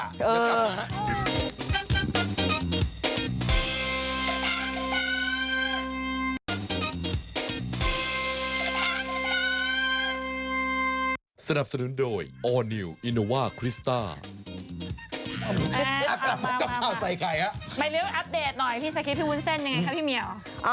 ไปเร็วอัปเดตหน่อยพี่ชะคริบพี่วุ้นเส้นยังไงคะพี่เมียว